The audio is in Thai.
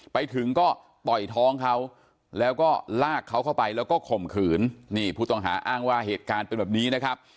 ไปถึงก็ต่อยท้องเขาแล้วก็ลากเขาเข้าไปแล้วก็ข่มขืนนี่ผู้ต้องหาอ้างว่าเหตุการณ์เป็นแบบนี้นะครับ